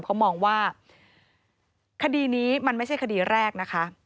เขามองว่าคดีนี้มันไม่ใช่คดีแรกนะคะ